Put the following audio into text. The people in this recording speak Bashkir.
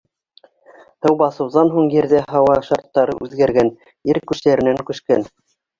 Һыу баҫыуҙан һуң Ерҙә һауа шарттары үҙгәргән, Ер күсәренән күскән...